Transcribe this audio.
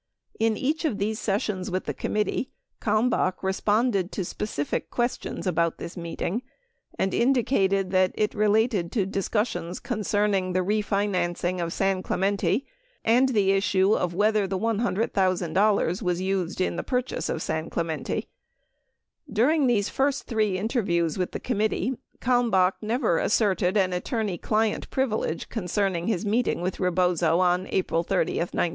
In .each of these sessions with the committee, Kalmbach responded to specific questions about this meeting and indicated that it related to discussions concerning the refinancing of San Clemente, and the issue of whether the $100,000 was used in the purchase of San Clemente, During these first three interviews with the committee, Kalmbach never asserted an ;attorney client privilege concerning his meeting with Rebozo on April 30, 1973.